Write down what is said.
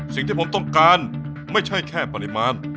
สิ่งที่ผมต้องการไม่ใช่แค่ปริมาณ